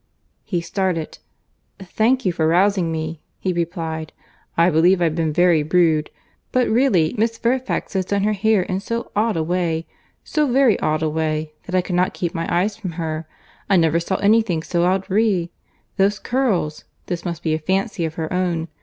He started. "Thank you for rousing me," he replied. "I believe I have been very rude; but really Miss Fairfax has done her hair in so odd a way—so very odd a way—that I cannot keep my eyes from her. I never saw any thing so outrée!—Those curls!—This must be a fancy of her own.